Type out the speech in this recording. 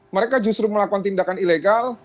mereka justru melakukan tindakan ilegal